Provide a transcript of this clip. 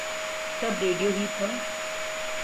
تب ریڈیو ہی تھا۔